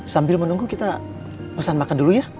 sambil menunggu kita pesan makan dulu ya